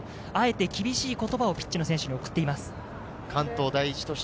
あえて厳しい言葉を選手に送っています。